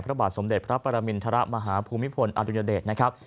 พระบาทสมเด็จพระปรมินทรมาฮภูมิพลอดุญเดชนะครับ